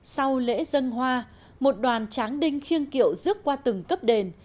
sau lễ dân hoa một đoàn tráng đinh khiêng kiệu rước qua từng cấp đền